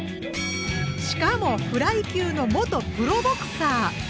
しかもフライ級の元プロボクサー！